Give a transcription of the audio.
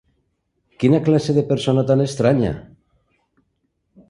Quina classe de persona tan estranya!